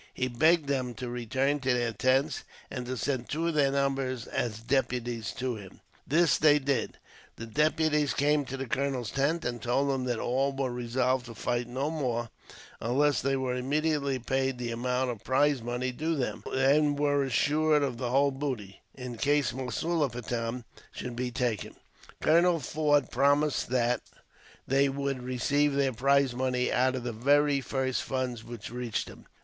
He begged them to return to their tents, and to send two of their number, as deputies, to him. This they did. The deputies came to the colonel's tent, and told him that all were resolved to fight no more; unless they were immediately paid the amount of prize money due to them, and were assured of the whole booty, in case Masulipatam should be taken. Colonel Forde promised that they would receive their prize money out of the very first funds which reached him.